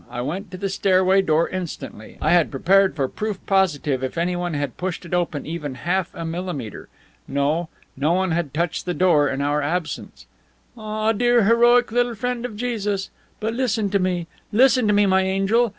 I went to the stairway door instantly. I had prepared for proof positive if anyone had pushed it open even half a millimeter. No, no one had touched the door in our absence. "Ah, dear heroic little friend of Jesus! But listen to me. Listen to me, my angel.